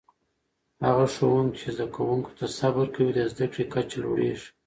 هغه ښوونکي چې زده کوونکو ته صبر کوي، د زده کړې کچه لوړېږي.